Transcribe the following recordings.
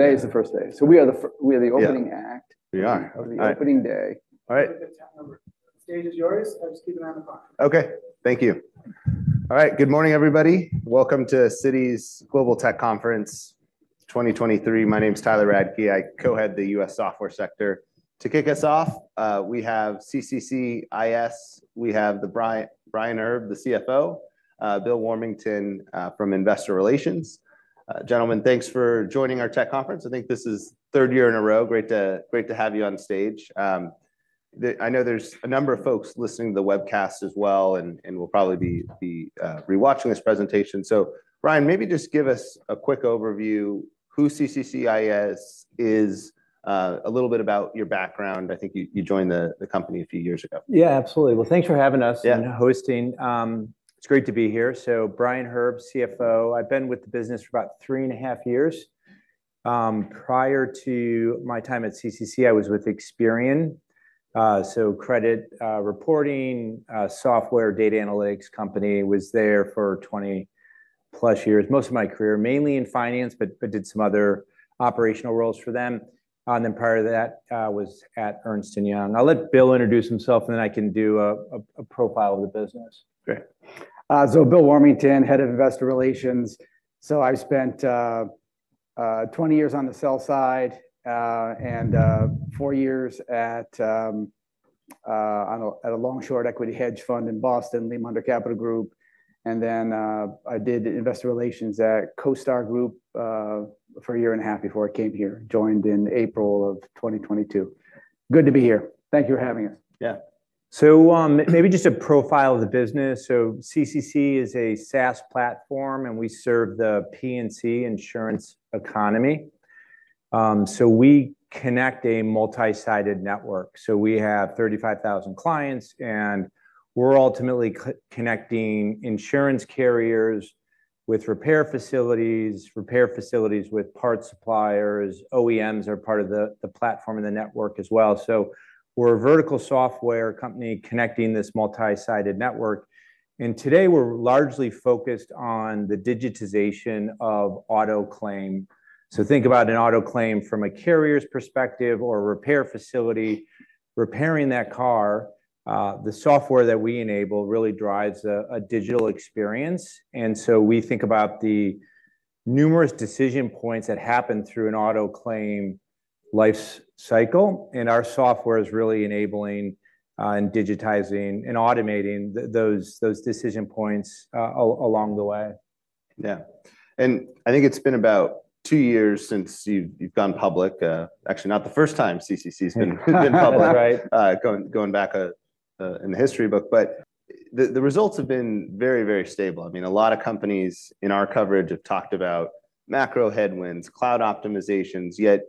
Good morning, everybody. Welcome to Citi's Global Tech Conference 2023. My name's Tyler Radke. I co-head the U.S. Software Sector. To kick us off, we have CCCIS, we have Brian Herb, the CFO, Bill Warmington from Investor Relations. Gentlemen, thanks for joining our tech conference. I think this is third year in a row. Great to have you on stage. I know there's a number of folks listening to the webcast as well, and we'll probably be rewatching this presentation. So, Brian, maybe just give us a quick overview, who CCCIS is, a little bit about your background. I think you joined the company a few years ago. Yeah, absolutely. Well, thanks for having us- Yeah. and hosting. It's great to be here. So Brian Herb, CFO. I've been with the business for about 3.5 years. Prior to my time at CCC, I was with Experian, so credit reporting, software, data analytics company, was there for 20+ years. Most of my career, mainly in finance, but did some other operational roles for them. And then prior to that, was at Ernst & Young. I'll let Bill introduce himself, and then I can do a profile of the business. Great. So Bill Warmington, Head of Investor Relations. So I spent 20 years on the sell side, and 4 years at a long-short equity hedge fund in Boston, Lander Capital Group. And then, I did investor relations at CoStar Group for a year and a half before I came here, joined in April of 2022. Good to be here. Thank you for having us. Yeah. So, maybe just a profile of the business. So CCC is a SaaS platform, and we serve the P&C insurance economy. So we connect a multi-sided network. So we have 35,000 clients, and we're ultimately connecting insurance carriers with repair facilities, repair facilities with parts suppliers. OEMs are part of the platform and the network as well. So we're a vertical software company connecting this multi-sided network, and today we're largely focused on the digitization of auto claim. So think about an auto claim from a carrier's perspective or a repair facility. Repairing that car, the software that we enable really drives a digital experience. And so we think about the numerous decision points that happen through an auto claim life's cycle, and our software is really enabling and digitizing and automating those decision points along the way. Yeah. And I think it's been about two years since you've gone public. Actually, not the first time CCC has been public- That's right. Going back in the history book, but the results have been very, very stable. I mean, a lot of companies in our coverage have talked about macro headwinds, cloud optimizations, yet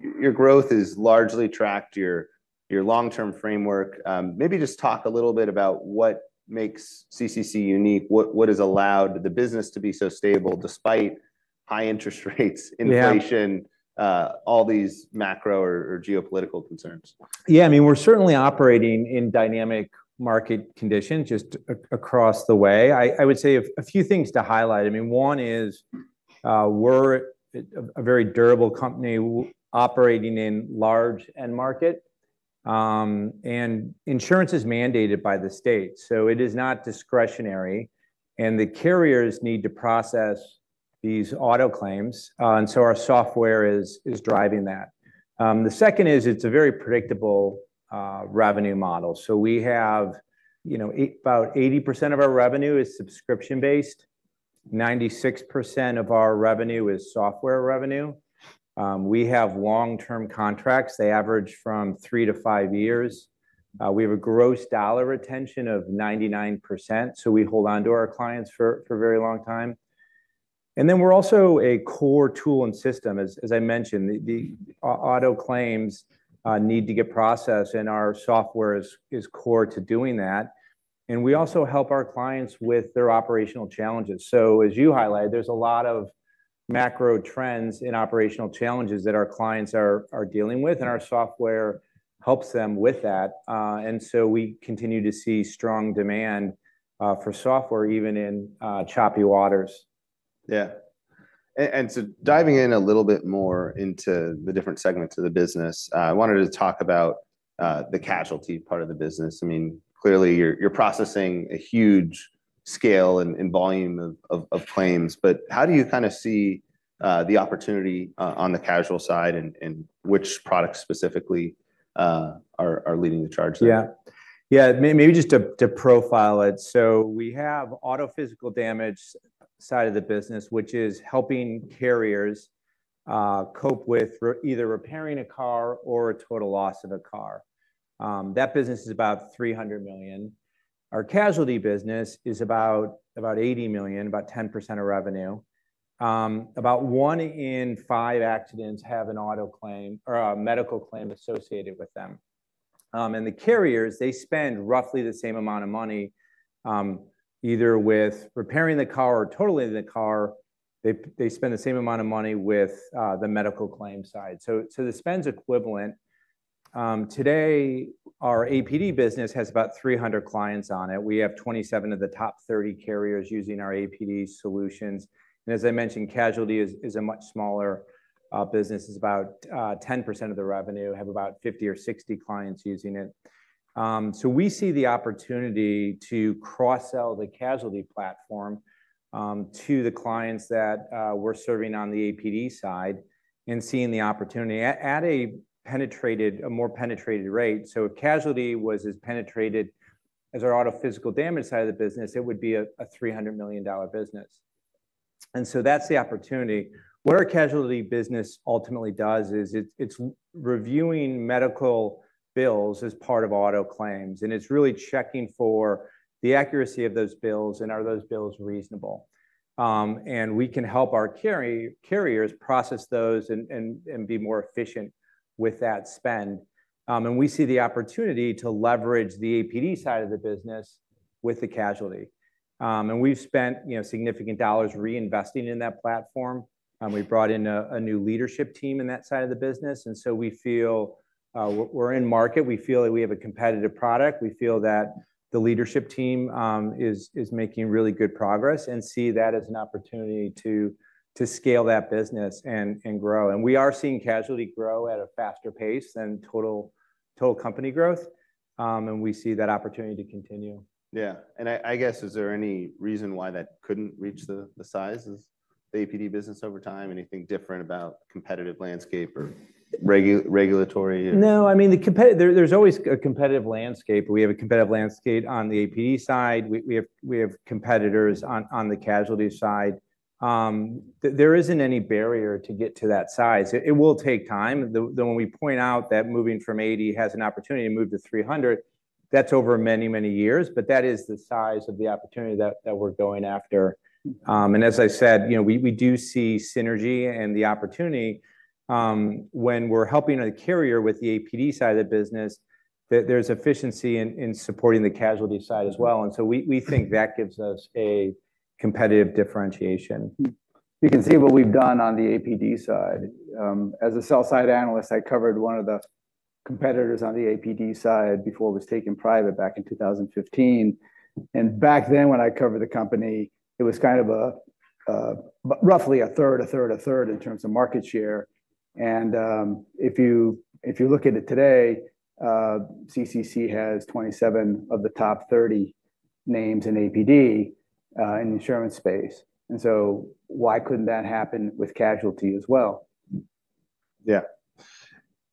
your growth is largely tracked to your long-term framework. Maybe just talk a little bit about what makes CCC unique, what has allowed the business to be so stable despite high interest rates, inflation. Yeah... all these macro or geopolitical concerns. Yeah, I mean, we're certainly operating in dynamic market conditions just across the way. I would say a few things to highlight. I mean, one is, we're a very durable company operating in large end market. And insurance is mandated by the state, so it is not discretionary, and the carriers need to process these auto claims, and so our software is driving that. The second is it's a very predictable revenue model. So we have, you know, about 80% of our revenue is subscription-based. 96% of our revenue is software revenue. We have long-term contracts. They average from 3-5 years. We have a gross dollar retention of 99%, so we hold on to our clients for a very long time. And then we're also a core tool and system. As I mentioned, the auto claims need to get processed, and our software is core to doing that. And we also help our clients with their operational challenges. So as you highlighted, there's a lot of macro trends in operational challenges that our clients are dealing with, and our software helps them with that. And so we continue to see strong demand for software, even in choppy waters. Yeah. And so diving in a little bit more into the different segments of the business, I wanted to talk about the casualty part of the business. I mean, clearly you're processing a huge scale and volume of claims, but how do you kinda see the opportunity on the casualty side, and which products specifically are leading the charge there? Yeah. Yeah, maybe just to profile it. So we have auto physical damage side of the business, which is helping carriers cope with either repairing a car or a total loss of a car. That business is about $300 million. Our casualty business is about $80 million, about 10% of revenue. About one in five accidents have an auto claim or a medical claim associated with them. And the carriers, they spend roughly the same amount of money either with repairing the car or totaling the car. They spend the same amount of money with the medical claim side. So the spend's equivalent. Today, our APD business has about 300 clients on it. We have 27 of the top 30 carriers using our APD solutions. And as I mentioned, casualty is a much smaller business. It's about 10% of the revenue. Have about 50 or 60 clients using it. So we see the opportunity to cross-sell the casualty platform to the clients that we're serving on the APD side and seeing the opportunity at a more penetrated rate. So if casualty was as penetrated as our auto physical damage side of the business, it would be a $300 million business. And so that's the opportunity. What our casualty business ultimately does is it's reviewing medical bills as part of auto claims, and it's really checking for the accuracy of those bills and are those bills reasonable. And we can help our carriers process those and be more efficient with that spend. And we see the opportunity to leverage the APD side of the business with the casualty. And we've spent, you know, significant dollars reinvesting in that platform, and we brought in a new leadership team in that side of the business. And so we feel we're in market. We feel that we have a competitive product. We feel that the leadership team is making really good progress and see that as an opportunity to scale that business and grow. And we are seeing casualty grow at a faster pace than total company growth, and we see that opportunity to continue. Yeah. And I guess, is there any reason why that couldn't reach the size as the APD business over time? Anything different about competitive landscape or regulatory? No, I mean, the competitive landscape. There's always a competitive landscape. We have a competitive landscape on the APD side. We have competitors on the casualty side. There isn't any barrier to get to that size. It will take time. When we point out that moving from 80 has an opportunity to move to 300, that's over many, many years, but that is the size of the opportunity that we're going after. And as I said, you know, we do see synergy and the opportunity when we're helping a carrier with the APD side of the business, that there's efficiency in supporting the casualty side as well. And so we think that gives us a competitive differentiation. You can see what we've done on the APD side. As a sell-side analyst, I covered one of the competitors on the APD side before it was taken private back in 2015. And back then, when I covered the company, it was kind of a roughly 1/3 in terms of market share. And if you look at it today, CCC has 27 of the top 30 names in APD in the insurance space. And so why couldn't that happen with casualty as well? Yeah.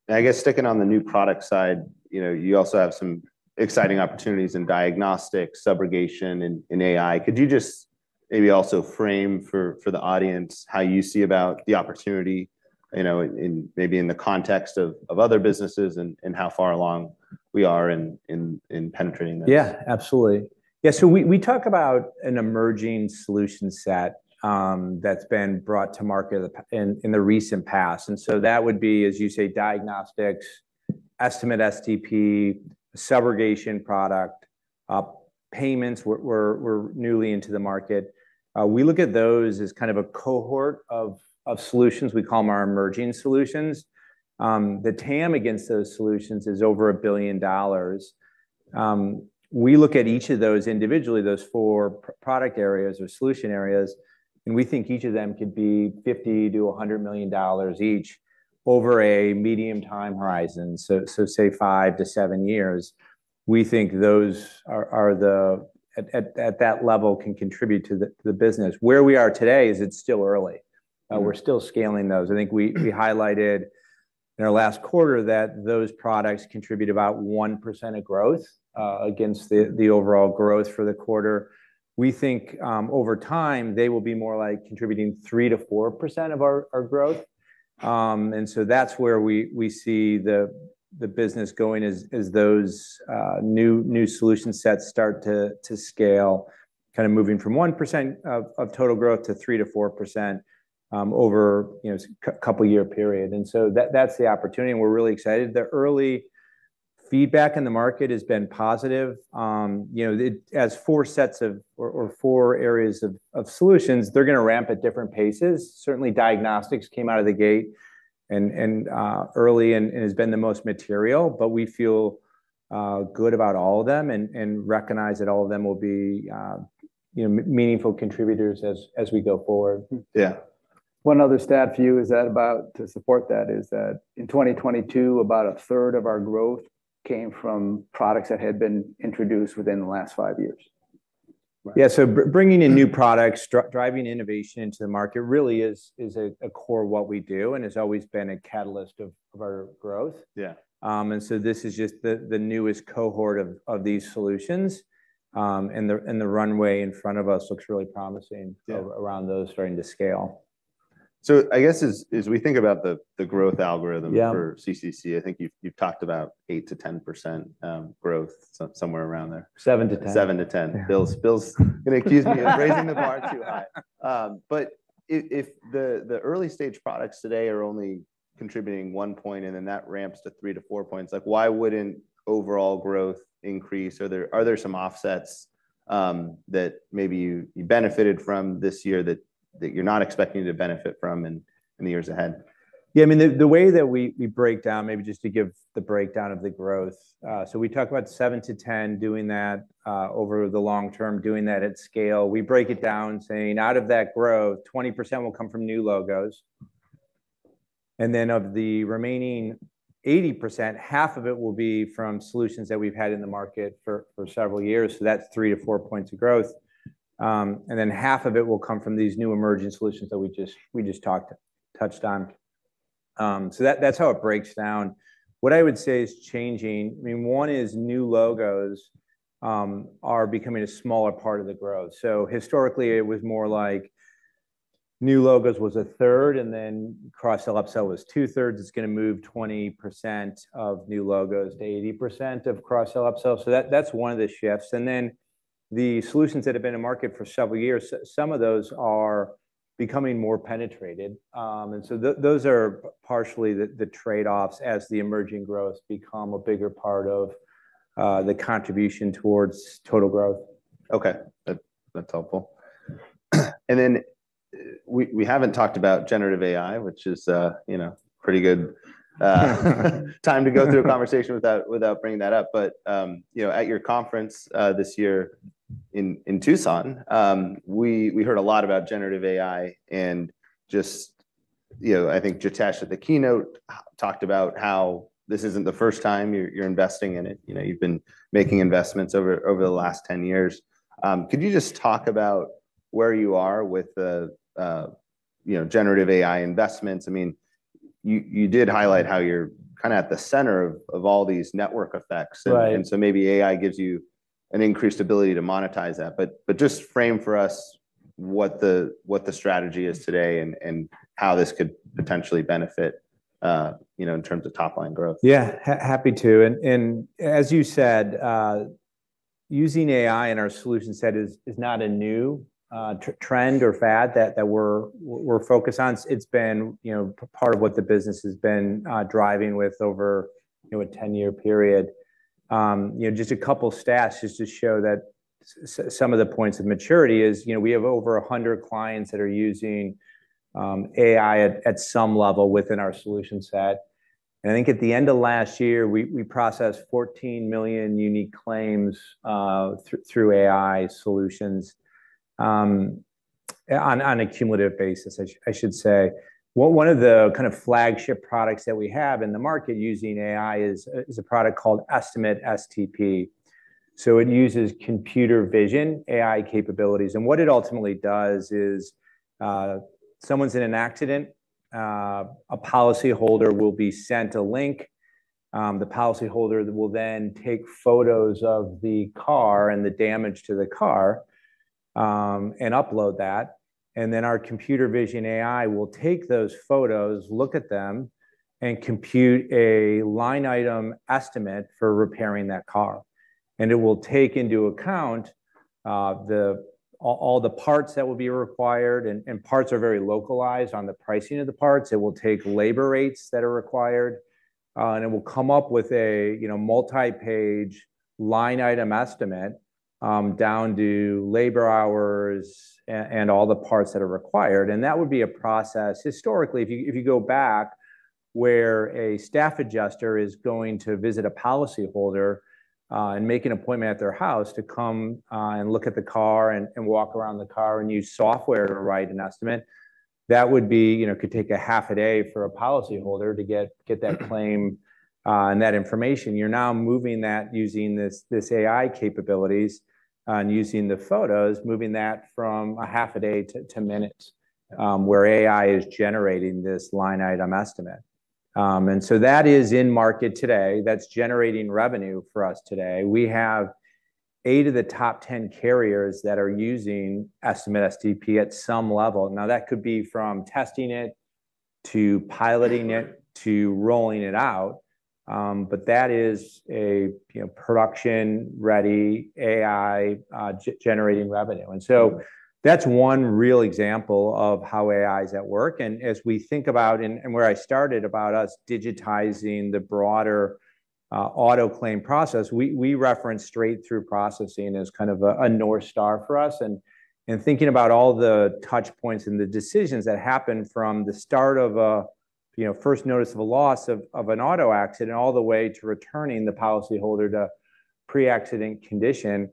I guess sticking on the new product side, you know, you also have some exciting opportunities in diagnostic, subrogation, and AI. Could you just maybe also frame for the audience how you see about the opportunity, you know, in maybe in the context of other businesses and how far along we are in penetrating this? Yeah, absolutely. Yeah, so we talk about an emerging solution set that's been brought to market in the recent past. That would be, as you say, diagnostics, estimate STP, subrogation product, payments. We're newly into the market. We look at those as kind of a cohort of solutions. We call them our emerging solutions. The TAM against those solutions is over $1 billion. We look at each of those individually, those four product areas or solution areas, and we think each of them could be $50 million-$100 million each over a medium time horizon, say 5-7 years. We think those are the... at that level, can contribute to the business. Where we are today is it's still early. Yeah. We're still scaling those. I think we highlighted in our last quarter that those products contribute about 1% of growth against the overall growth for the quarter. We think over time, they will be more like contributing 3%-4% of our growth. And so that's where we see the business going as those new solution sets start to scale, kind of moving from 1% of total growth to 3%-4% over, you know, couple year period. And so that's the opportunity, and we're really excited. The early feedback in the market has been positive. You know, it as four sets of or, or four areas of solutions, they're gonna ramp at different paces. Certainly, diagnostics came out of the gate early and has been the most material, but we feel good about all of them and recognize that all of them will be, you know, meaningful contributors as we go forward. Yeah. One other stat for you is that, to support that, in 2022, about 1/3 of our growth came from products that had been introduced within the last 5 years. Yeah, so bringing in new products, driving innovation into the market really is a core what we do and has always been a catalyst of our growth. Yeah. This is just the newest cohort of these solutions. The runway in front of us looks really promising- Yeah... around those starting to scale. I guess as we think about the growth algorithm- Yeah... for CCC, I think you've, you've talked about 8%-10% growth, so somewhere around there. 7 to 10. 7-10. Yeah. Bill's gonna accuse me of raising the bar too high. But if the early stage products today are only contributing 1 point, and then that ramps to 3-4 points, like, why wouldn't overall growth increase? Are there some offsets?... that maybe you benefited from this year that you're not expecting to benefit from in the years ahead? Yeah, I mean, the way that we break down, maybe just to give the breakdown of the growth. So we talk about 7-10 doing that over the long term, doing that at scale. We break it down, saying, out of that growth, 20% will come from new logos. And then of the remaining 80%, half of it will be from solutions that we've had in the market for several years, so that's 3-4 points of growth. And then half of it will come from these new emerging solutions that we just touched on. So that's how it breaks down. What I would say is changing, I mean, one is new logos are becoming a smaller part of the growth. So historically, it was more like new logos was a third, and then cross-sell, upsell was two-thirds. It's gonna move 20% of new logos to 80% of cross-sell, upsell. So that, that's one of the shifts. And then the solutions that have been in market for several years, so some of those are becoming more penetrated. And so those are partially the trade-offs as the emerging growth become a bigger part of the contribution towards total growth. Okay. That's helpful. And then, we haven't talked about generative AI, which is, you know, pretty good time to go through a conversation without bringing that up. But, you know, at your conference this year in Tucson, we heard a lot about generative AI. And just, you know, I think Jitesh, at the keynote, talked about how this isn't the first time you're investing in it. You know, you've been making investments over the last 10 years. Could you just talk about where you are with the, you know, generative AI investments? I mean, you did highlight how you're kinda at the center of all these network effects. Right. And so maybe AI gives you an increased ability to monetize that. But just frame for us what the strategy is today and how this could potentially benefit, you know, in terms of top-line growth? Yeah, happy to. And as you said, using AI in our solution set is not a new trend or fad that we're focused on. It's been, you know, part of what the business has been driving with over, you know, a 10-year period. You know, just a couple stats just to show that some of the points of maturity is, you know, we have over 100 clients that are using AI at some level within our solution set. And I think at the end of last year, we processed 14 million unique claims through AI solutions on a cumulative basis, I should say. Well, one of the kind of flagship products that we have in the market using AI is a product called Estimate STP. So it uses computer vision, AI capabilities, and what it ultimately does is, someone's in an accident, a policyholder will be sent a link, the policyholder will then take photos of the car and the damage to the car, and upload that. And then our computer vision AI will take those photos, look at them, and compute a line-item estimate for repairing that car. And it will take into account, all the parts that will be required, and parts are very localized on the pricing of the parts. It will take labor rates that are required, and it will come up with a, you know, multi-page line-item estimate, down to labor hours and all the parts that are required. And that would be a process... Historically, if you, if you go back where a staff adjuster is going to visit a policyholder, and make an appointment at their house to come, and look at the car and, and walk around the car and use software to write an estimate, that would be, you know, could take a half a day for a policyholder to get, get that claim, and that information. You're now moving that using this, this AI capabilities, and using the photos, moving that from a half a day to, to minutes, where AI is generating this line-item estimate. So that is in market today. That's generating revenue for us today. We have eight of the top 10 carriers that are using Estimate STP at some level. Now, that could be from testing it, to piloting it, to rolling it out, but that is a, you know, production-ready AI, generating revenue. And so that's one real example of how AI is at work. And as we think about, and where I started, about us digitizing the broader, auto claim process, we reference straight-through processing as kind of a, a North Star for us. And thinking about all the touch points and the decisions that happen from the start of a, you know, first notice of a loss of, of an auto accident, all the way to returning the policyholder to pre-accident condition,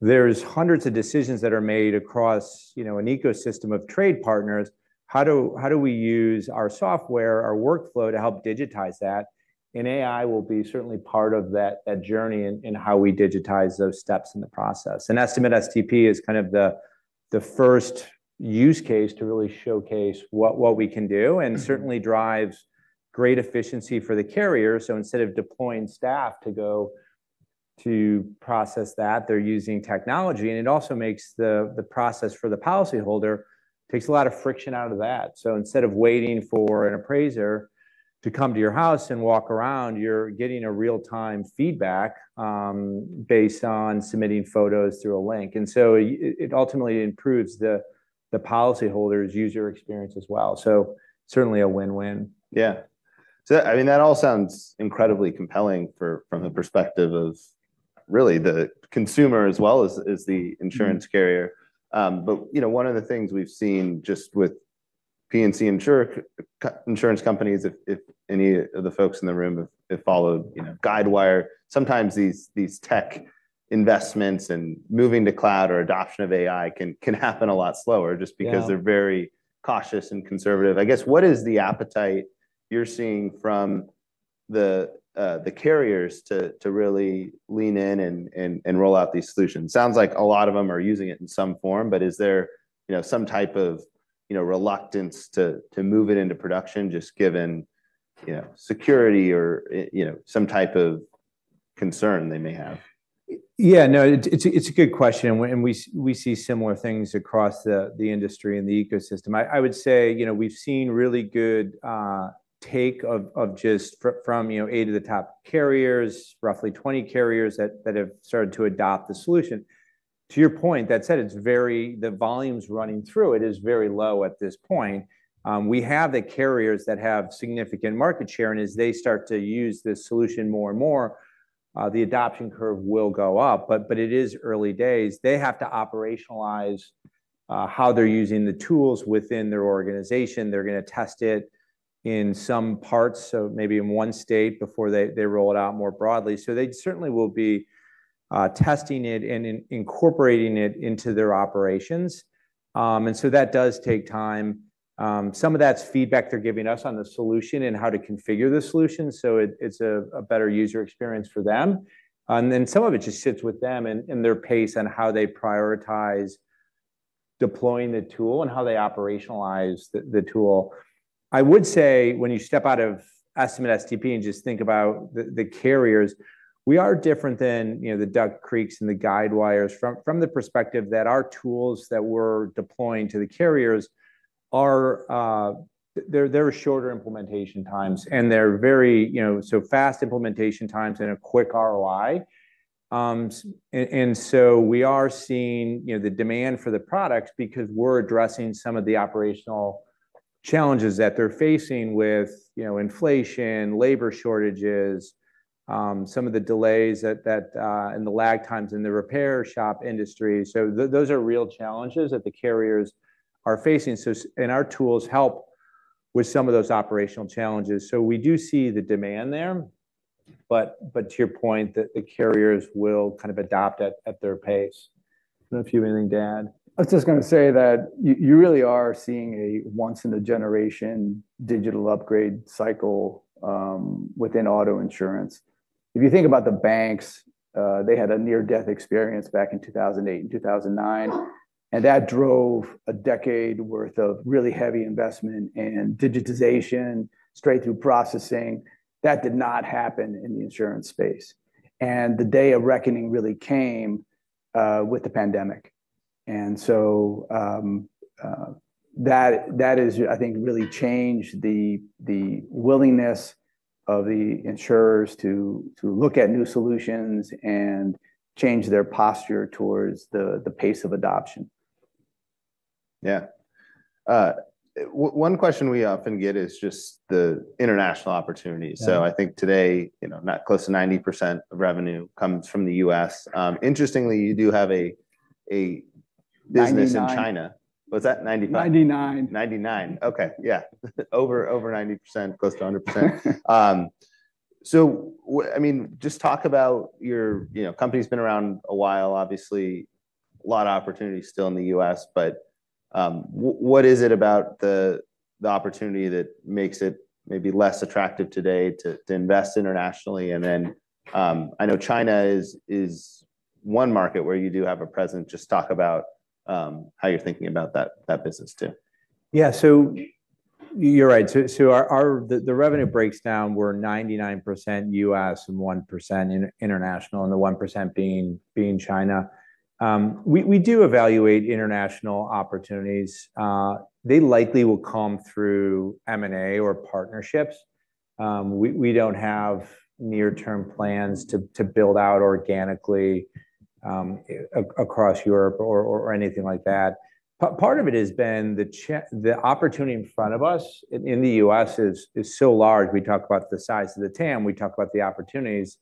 there's hundreds of decisions that are made across, you know, an ecosystem of trade partners. How do, how do we use our software, our workflow, to help digitize that? AI will be certainly part of that journey in how we digitize those steps in the process. Estimate STP is kind of the first use case to really showcase what we can do, and certainly drives great efficiency for the carrier. So instead of deploying staff to go to process that, they're using technology, and it also makes the process for the policyholder takes a lot of friction out of that. So instead of waiting for an appraiser to come to your house and walk around, you're getting real-time feedback based on submitting photos through a link. And so it ultimately improves the policyholder's user experience as well. So certainly a win-win. Yeah. So, I mean, that all sounds incredibly compelling for—from the perspective of really the consumer as well as the insurance carrier. But, you know, one of the things we've seen just with P&C insurance companies, if any of the folks in the room have followed, you know, Guidewire, sometimes these tech investments and moving to cloud or adoption of AI can happen a lot slower just— Yeah... because they're very cautious and conservative. I guess, what is the appetite you're seeing from the carriers to really lean in and roll out these solutions? Sounds like a lot of them are using it in some form, but is there, you know, some type of, you know, reluctance to move it into production, just given, you know, security or, you know, some type of concern they may have? Yeah, no, it's a good question, and we see similar things across the industry and the ecosystem. I would say, you know, we've seen really good take of just from, you know, 8 of the top carriers, roughly 20 carriers that have started to adopt the solution. To your point, that said, it's very—the volumes running through it is very low at this point. We have the carriers that have significant market share, and as they start to use this solution more and more, the adoption curve will go up. But it is early days. They have to operationalize how they're using the tools within their organization. They're gonna test it in some parts, so maybe in one state before they roll it out more broadly. So they certainly will be testing it and incorporating it into their operations. And so that does take time. Some of that's feedback they're giving us on the solution and how to configure the solution, so it's a better user experience for them. And then, some of it just sits with them and their pace on how they prioritize deploying the tool and how they operationalize the tool. I would say, when you step out of Estimate STP and just think about the carriers, we are different than, you know, the Duck Creeks and the Guidewires from the perspective that our tools that we're deploying to the carriers are... They're shorter implementation times, and they're you know, so fast implementation times and a quick ROI. And so we are seeing, you know, the demand for the products because we're addressing some of the operational challenges that they're facing with, you know, inflation, labor shortages, some of the delays and the lag times in the repair shop industry. So those are real challenges that the carriers are facing. So, and our tools help with some of those operational challenges. So we do see the demand there, but to your point, that the carriers will kind of adopt at their pace. I don't know if you have anything to add. I was just gonna say that you really are seeing a once-in-a-generation digital upgrade cycle, within auto insurance. If you think about the banks, they had a near-death experience back in 2008 and 2009, and that drove a decade worth of really heavy investment and digitization, straight-through processing. That did not happen in the insurance space. And the day of reckoning really came with the pandemic. And so, that is, I think, really changed the willingness of the insurers to look at new solutions and change their posture towards the pace of adoption. Yeah. One question we often get is just the international opportunity. Yeah. So I think today, you know, not close to 90% of revenue comes from the U.S. Interestingly, you do have a business- Ninety-nine. in China. What's that? 99? Ninety-nine. 99. Okay. Yeah, over 90%, close to 100%. So I mean, just talk about your... You know, company's been around a while. Obviously, a lot of opportunities still in the U.S. But, what is it about the opportunity that makes it maybe less attractive today to invest internationally? And then, I know China is one market where you do have a presence. Just talk about how you're thinking about that business too. Yeah. So you're right. So our revenue breaks down, we're 99% US and 1% international, and the 1% being China. We do evaluate international opportunities. They likely will come through M&A or partnerships. We don't have near-term plans to build out organically across Europe or anything like that. Part of it has been the opportunity in front of us in the US is so large. We talk about the size of the TAM, we talk about the opportunities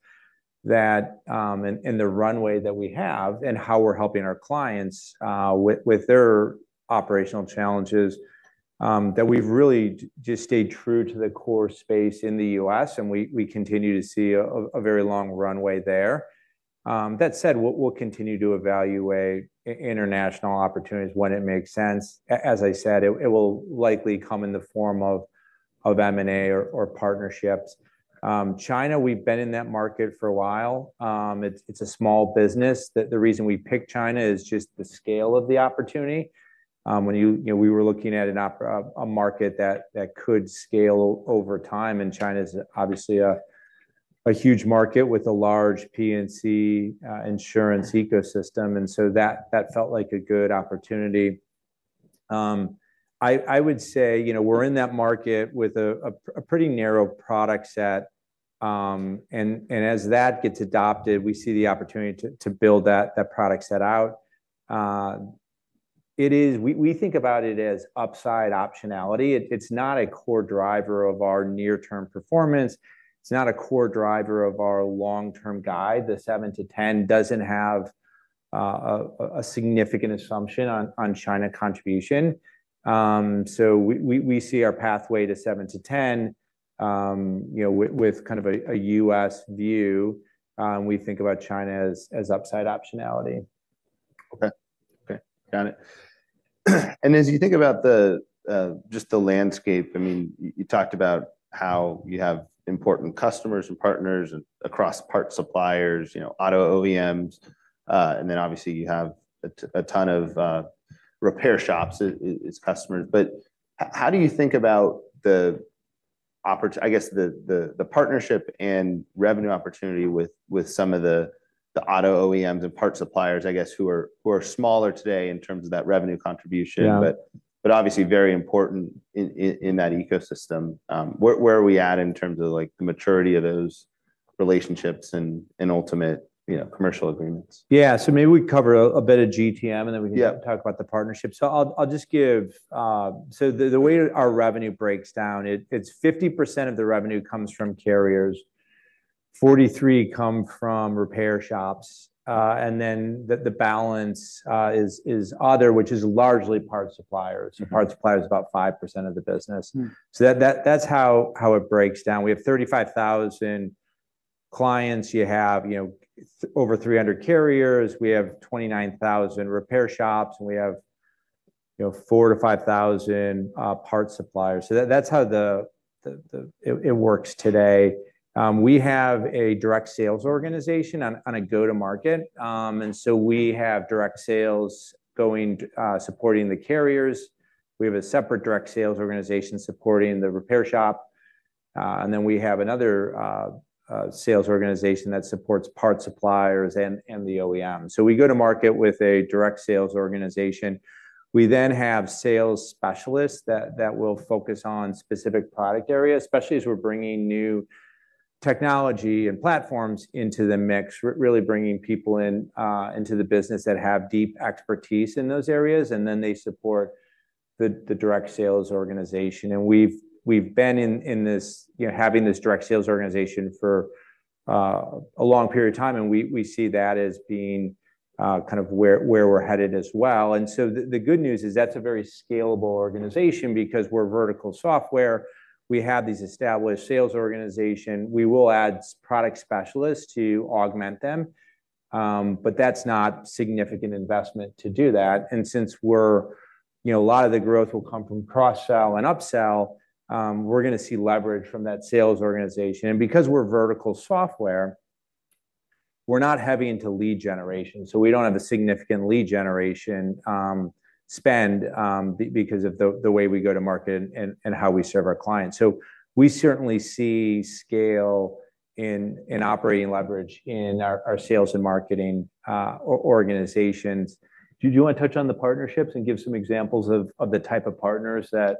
that, and the runway that we have, and how we're helping our clients with their operational challenges, that we've really just stayed true to the core space in the U.S., and we continue to see a very long runway there. That said, we'll continue to evaluate international opportunities when it makes sense. As I said, it will likely come in the form of M&A or partnerships. China, we've been in that market for a while. It's a small business. The reason we picked China is just the scale of the opportunity. You know, we were looking at a market that could scale over time, and China is obviously a huge market with a large P&C insurance ecosystem, and so that felt like a good opportunity. I would say, you know, we're in that market with a pretty narrow product set. And as that gets adopted, we see the opportunity to build that product set out. It is. We think about it as upside optionality. It's not a core driver of our near-term performance. It's not a core driver of our long-term guide. The seven to 10 doesn't have a significant assumption on China contribution. So we see our pathway to seven to 10, you know, with kind of a U.S. view, and we think about China as upside optionality. Okay. Okay, got it. And as you think about the, just the landscape, I mean, you talked about how you have important customers and partners and across parts suppliers, you know, auto OEMs, and then obviously, you have a ton of, repair shops as customers. But how do you think about the opportunity— I guess, the partnership and revenue opportunity with, with some of the, the auto OEMs and parts suppliers, I guess, who are smaller today in terms of that revenue contribution- Yeah... but obviously very important in that ecosystem. Where are we at in terms of, like, the maturity of those relationships and ultimate, you know, commercial agreements? Yeah. So maybe we cover a bit of GTM, and then we- Yeah... can talk about the partnership. So I'll just give. So the way our revenue breaks down, it's 50% of the revenue comes from carriers, 43% come from repair shops, and then the balance is other, which is largely parts suppliers. Mm. Parts suppliers is about 5% of the business. Mm. That's how it breaks down. We have 35,000 clients, you have, you know, over 300 carriers, we have 29,000 repair shops, and we have, you know, 4,000-5,000 parts suppliers. So that's how it works today. We have a direct sales organization on a go-to-market. And so we have direct sales going supporting the carriers. We have a separate direct sales organization supporting the repair shop, and then we have another sales organization that supports parts suppliers and the OEM. So we go to market with a direct sales organization. We then have sales specialists that will focus on specific product areas, especially as we're bringing new technology and platforms into the mix. We're really bringing people in into the business that have deep expertise in those areas, and then they support the direct sales organization. We've been in this you know, having this direct sales organization for a long period of time, and we see that as being kind of where we're headed as well. So the good news is that's a very scalable organization because we're vertical software. We have these established sales organization. We will add product specialists to augment them, but that's not significant investment to do that. And since we're you know, a lot of the growth will come from cross-sell and upsell, we're gonna see leverage from that sales organization. Because we're vertical software, we're not heavy into lead generation, so we don't have a significant lead generation spend because of the way we go to market and how we serve our clients. So we certainly see scale in operating leverage in our sales and marketing organizations. Do you want to touch on the partnerships and give some examples of the type of partners that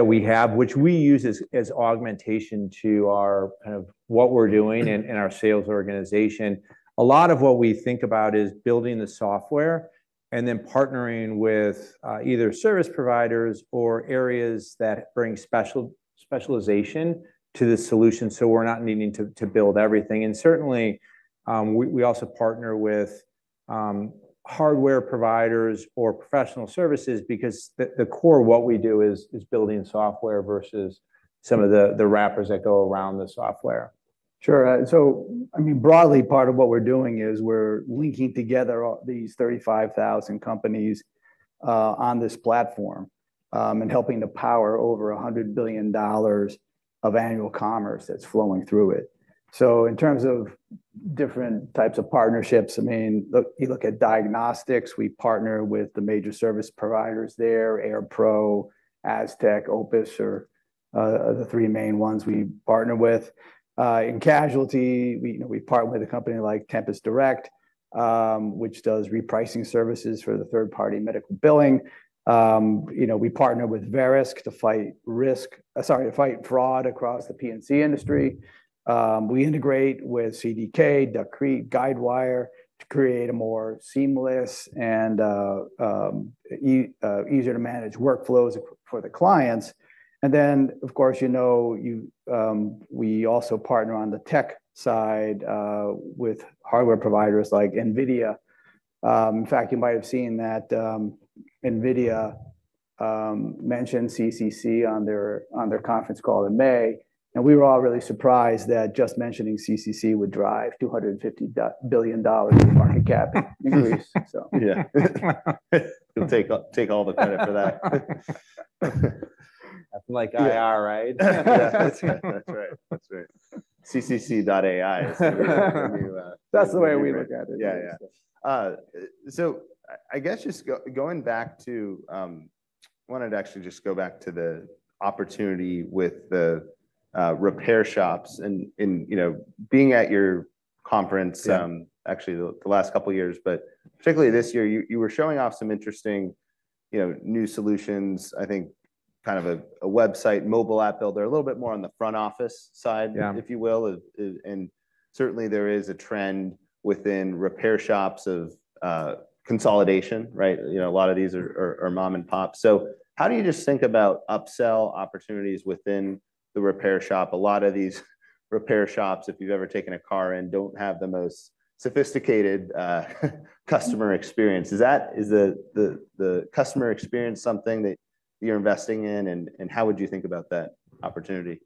we have, which we use as augmentation to our kind of what we're doing in our sales organization? A lot of what we think about is building the software and then partnering with either service providers or areas that bring specialization to the solution, so we're not needing to build everything. Certainly, we also partner with hardware providers or professional services because the core of what we do is building software versus some of the wrappers that go around the software. Sure, so I mean, broadly, part of what we're doing is we're linking together all these 35,000 companies on this platform and helping to power over $100 billion of annual commerce that's flowing through it. So in terms of different types of partnerships, I mean, look, you look at diagnostics, we partner with the major service providers there, AirPro, asTech, Opus are the three main ones we partner with. In casualty, we, you know, we partner with a company like Tempus Direct, which does repricing services for the third-party medical billing. You know, we partner with Verisk to fight risk, sorry, to fight fraud across the P&C industry. We integrate with CDK, Duck Creek, Guidewire to create a more seamless and easier to manage workflows for the clients. And then, of course, you know, you... We also partner on the tech side with hardware providers like NVIDIA. In fact, you might have seen that NVIDIA mentioned CCC on their conference call in May, and we were all really surprised that just mentioning CCC would drive $250 billion in market cap increase. So... Yeah. We'll take all the credit for that. Nothing like IR, right? Yeah, that's right. That's right. CCC.ai. That's the way we look at it. Yeah, yeah. So I guess just going back to, I wanted to actually just go back to the opportunity with the repair shops and, you know, being at your conference, actually the last couple years, but particularly this year, you were showing off some interesting, you know, new solutions, I think kind of a website mobile app builder, a little bit more on the front office side- Yeah. -if you will. And certainly there is a trend within repair shops of consolidation, right? You know, a lot of these are mom-and-pop. So how do you just think about upsell opportunities within the repair shop? A lot of these repair shops, if you've ever taken a car in, don't have the most sophisticated customer experience. Is that - is the customer experience something that you're investing in, and how would you think about that opportunity?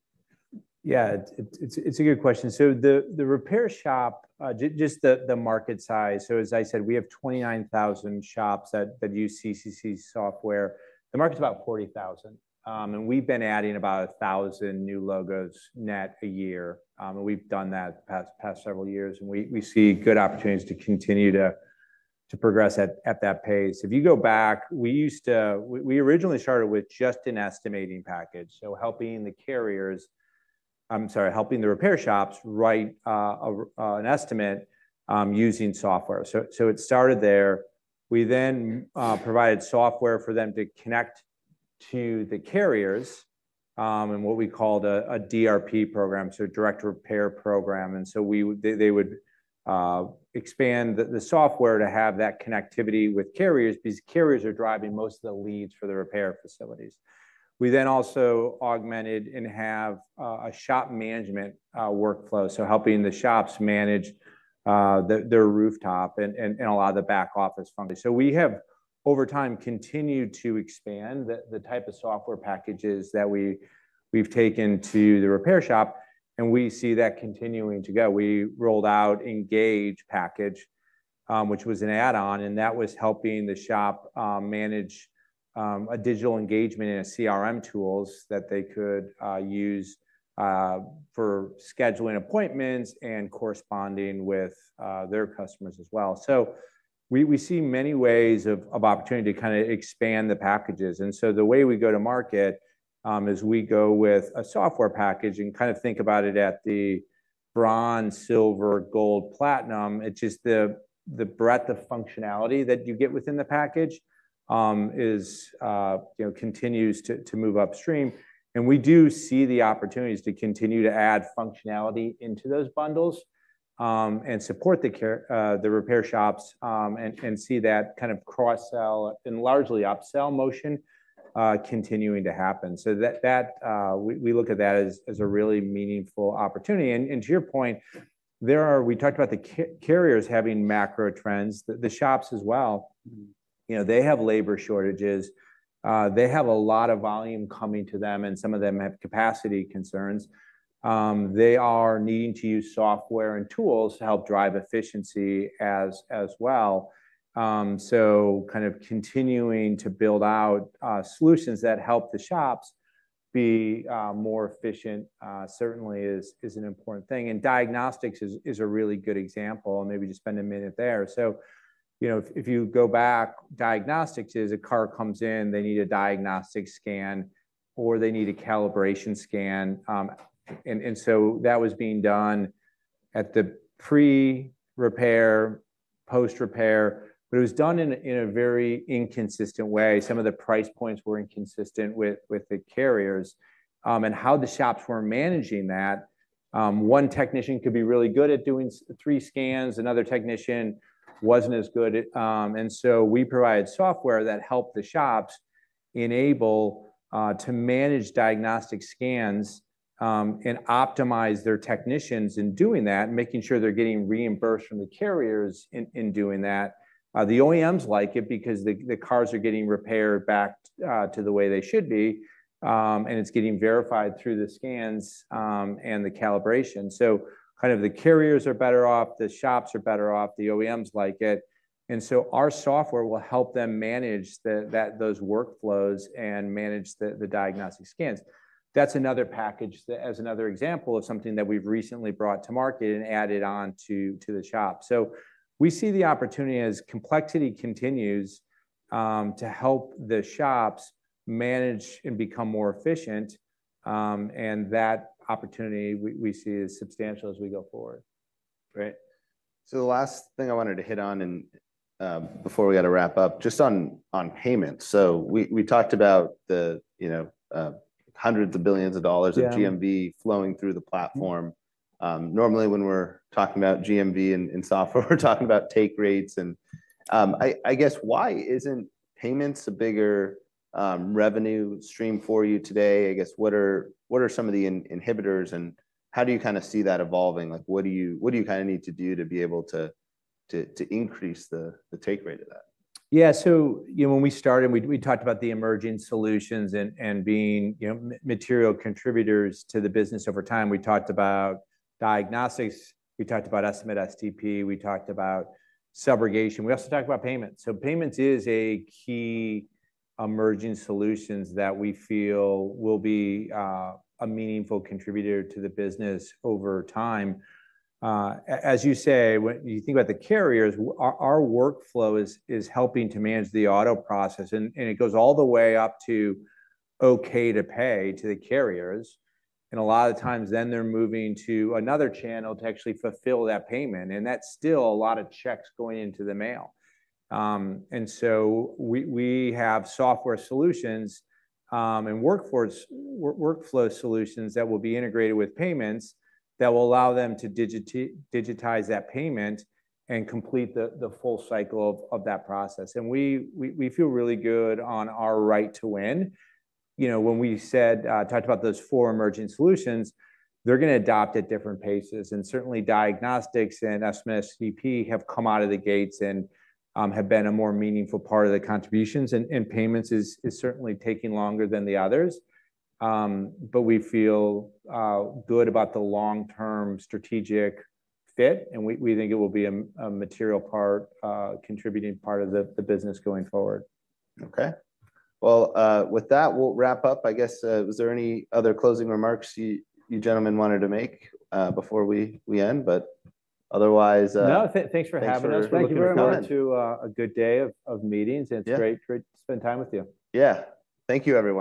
Yeah, it's a good question. So the repair shop, just the market size. So as I said, we have 29,000 shops that use CCC software. The market's about 40,000, and we've been adding about 1,000 new logos net a year. And we've done that the past several years, and we see good opportunities to continue to progress at that pace. If you go back, we used to, we originally started with just an estimating package, so helping the carriers. I'm sorry, helping the repair shops write an estimate using software. So it started there. We then provided software for them to connect to the carriers in what we called a DRP program, so a direct repair program. And so they, they would expand the software to have that connectivity with carriers, because carriers are driving most of the leads for the repair facilities. We then also augmented and have a shop management workflow, so helping the shops manage their rooftop and a lot of the back office funding. So we have, over time, continued to expand the type of software packages that we've taken to the repair shop, and we see that continuing to go. We rolled out Engage package, which was an add-on, and that was helping the shop manage a digital engagement and a CRM tools that they could use for scheduling appointments and corresponding with their customers as well. So we see many ways of opportunity to kinda expand the packages. And so the way we go to market is we go with a software package and kind of think about it at the bronze, silver, gold, platinum. It's just the breadth of functionality that you get within the package, you know, continues to move upstream. And we do see the opportunities to continue to add functionality into those bundles and support the repair shops and see that kind of cross-sell and largely upsell motion continuing to happen. So that we look at that as a really meaningful opportunity. And to your point, there are—we talked about the carriers having macro trends. The shops as well, you know, they have labor shortages. They have a lot of volume coming to them, and some of them have capacity concerns. They are needing to use software and tools to help drive efficiency as well. So kind of continuing to build out solutions that help the shops be more efficient certainly is an important thing. And diagnostics is a really good example, and maybe just spend a minute there. So, you know, if you go back, diagnostics is a car comes in, they need a diagnostic scan, or they need a calibration scan. And so that was being done at the pre-repair, post-repair, but it was done in a very inconsistent way. Some of the price points were inconsistent with the carriers, and how the shops were managing that, one technician could be really good at doing three scans, another technician wasn't as good at. And so we provided software that helped the shops enable to manage diagnostic scans and optimize their technicians in doing that, making sure they're getting reimbursed from the carriers in doing that. The OEMs like it because the cars are getting repaired back to the way they should be and it's getting verified through the scans and the calibration. So kind of the carriers are better off, the shops are better off, the OEMs like it, and so our software will help them manage the, that, those workflows and manage the diagnostic scans. That's another package that, as another example of something that we've recently brought to market and added on to the shop. We see the opportunity as complexity continues to help the shops manage and become more efficient, and that opportunity we see as substantial as we go forward. Great. So the last thing I wanted to hit on and, before we gotta wrap up, just on payments. So we talked about, you know, the hundreds of billions of dollars- Yeah. of GMV flowing through the platform. Normally, when we're talking about GMV and software, we're talking about take rates and... I guess, why isn't payments a bigger revenue stream for you today? I guess, what are some of the inhibitors, and how do you kinda see that evolving? Like, what do you kinda need to do to be able to increase the take rate of that? Yeah, so you know, when we started, we talked about the emerging solutions and being, you know, material contributors to the business over time. We talked about Diagnostics, we talked about Estimate STP, we talked about Subrogation. We also talked about Payments. So payments is a key emerging solutions that we feel will be a meaningful contributor to the business over time. As you say, when you think about the carriers, our workflow is helping to manage the auto process, and it goes all the way up to okay to pay to the carriers, and a lot of the times, then they're moving to another channel to actually fulfill that payment, and that's still a lot of checks going into the mail. And so we have software solutions, and workforce workflow solutions that will be integrated with payments, that will allow them to digitize that payment and complete the full cycle of that process. And we feel really good on our right to win. You know, when we talked about those four emerging solutions, they're gonna adopt at different paces. And certainly, diagnostics and Estimate STP have come out of the gates and have been a more meaningful part of the contributions, and payments is certainly taking longer than the others. But we feel good about the long-term strategic fit, and we think it will be a material contributing part of the business going forward. Okay. Well, with that, we'll wrap up. I guess, was there any other closing remarks you gentlemen wanted to make, before we end? But otherwise, No, thanks for having us. Thanks, everyone, for coming. Thank you very much to a good day of meetings- Yeah. It's great, great to spend time with you. Yeah. Thank you, everyone.